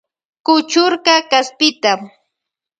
Kuchurka kaspita.